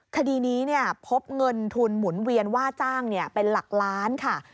คดีนี้พบเงินทุนหมุนเวียนว่าจ้างเป็นหลักล้านค่ะ